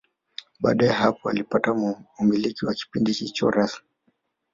Baada ya hapo alipata umiliki wa kipindi hicho rasmi